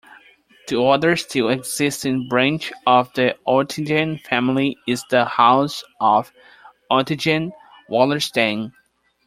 The other still existing branch of the Oettingen family is the House of Oettingen-Wallerstein.